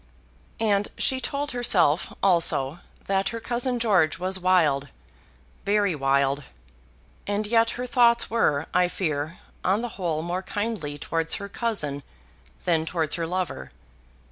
And she told herself, also, that her cousin George was wild, very wild. And yet her thoughts were, I fear, on the whole more kindly towards her cousin than towards her lover.